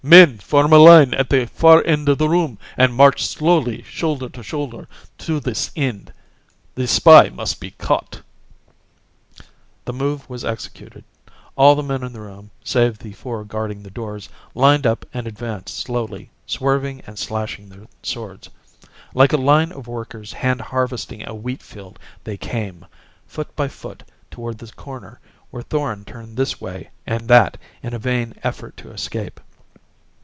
"Men, form a line at the far end of the room and march slowly, shoulder to shoulder, to this end. The spy must be caught!" The move was executed. All the men in the room, save the four guarding the doors, lined up and advanced slowly, swerving and slashing their swords. Like a line of workers hand harvesting a wheat field they came foot by foot toward the corner where Thorn turned this way and that in a vain effort to escape.